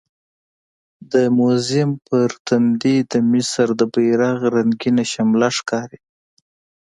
د موزیم په تندي د مصر د بیرغ رنګینه شمله ښکاري.